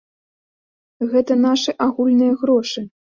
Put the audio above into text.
Гэта нашы агульныя грошы.